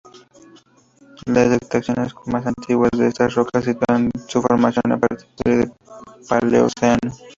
Las dataciones más antiguas de estas rocas sitúan su formación a partir del Paleoceno.